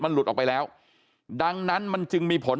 หลุดออกไปแล้วดังนั้นมันจึงมีผล